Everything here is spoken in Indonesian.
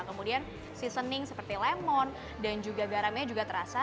kemudian seasoning seperti lemon dan juga garamnya juga terasa